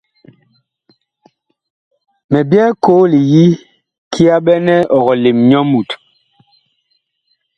Mi byɛɛ koo li yi kiyaɓɛnɛ ɔg lem nyɔ Mut.